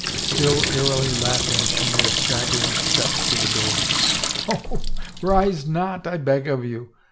Still eerily laughing, she made a stagger ing step to the door. " Oh, rise not, I beg of you